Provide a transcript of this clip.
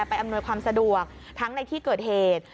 อำนวยความสะดวกทั้งในที่เกิดเหตุ